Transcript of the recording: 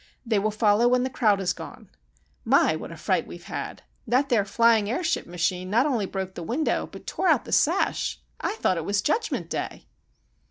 They will follow when the crowd has gone. My! what a fright we've had. That there flying airship machine not only broke the window, but tore out the sash! I thought it was Judgment Day."